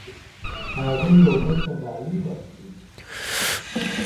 هغوی یو بل ته ډالۍ ورکړې.